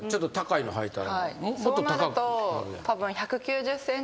そうなると。